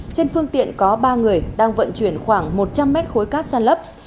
trên phương tiện có ba người đang vận chuyển khoảng một trăm linh mét khối cát sàn lấp